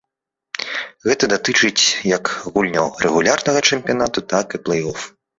Гэта датычыць як гульняў рэгулярнага чэмпіянату, так і плэй-оф.